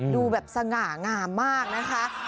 ดูแบบสง่างามมากนะคะ